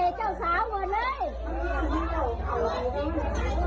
เอ้ามึงอยากกระดับไปแล้ว